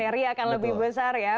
serie a akan lebih besar ya